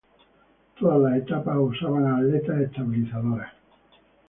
Todas las etapas usaban aletas estabilizadoras.